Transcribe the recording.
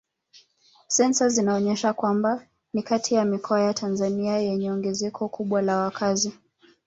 Sensa zinaonyesha kwamba ni kati ya mikoa ya Tanzania yenye ongezeko kubwa la wakazi